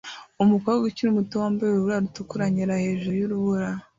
Umukobwa ukiri muto wambaye urubura rutukura anyerera hejuru yurubura